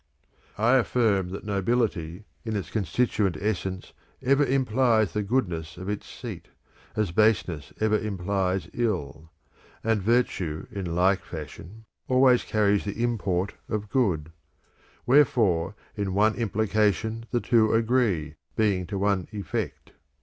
I affirm that nobility in its constituent essence Ever implies the goodness of its seat as baseness ever implies ill ; and virtue in like fashion always carries the import of good ; wherefore in one same im plication the two agree, being to one effect.